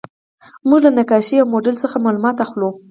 موږ له نقشې او موډل څخه معلومات اخلو.